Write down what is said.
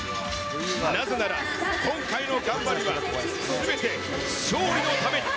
なぜなら今回の頑張りは、すべて、勝利のため。